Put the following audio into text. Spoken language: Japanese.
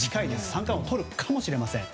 三冠王をとるかもしれません。